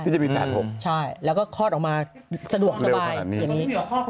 ที่จะมีแปด๖ใช่แล้วก็คลอดออกมาสะดวกสบายเร็วขนาดนี้